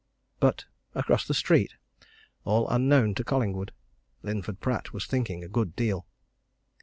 But across the street, all unknown to Collingwood, Linford Pratt was thinking a good deal.